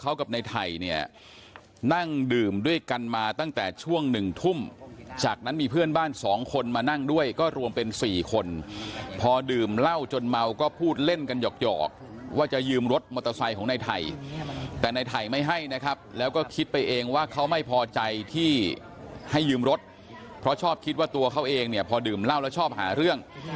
เขากับในไทยเนี่ยนั่งดื่มด้วยกันมาตั้งแต่ช่วงหนึ่งทุ่มจากนั้นมีเพื่อนบ้านสองคนมานั่งด้วยก็รวมเป็น๔คนพอดื่มเหล้าจนเมาก็พูดเล่นกันหยอกว่าจะยืมรถมอเตอร์ไซค์ของในไทยแต่ในไทยไม่ให้นะครับแล้วก็คิดไปเองว่าเขาไม่พอใจที่ให้ยืมรถเพราะชอบคิดว่าตัวเขาเองเนี่ยพอดื่มเหล้าแล้วชอบหาเรื่อง